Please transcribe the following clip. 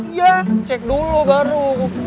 iya cek dulu baru